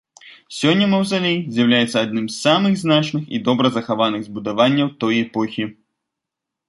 Сёння маўзалей з'яўляецца адным з самых значных і добра захаваных збудаванняў той эпохі.